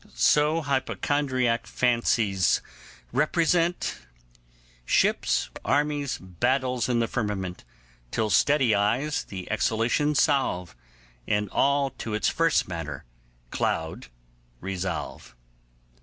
So hypochondriac fancies represent Ships, armies, battles in the firmament; Till steady eyes the exhalations solve, And all to its first matter, cloud, resolve.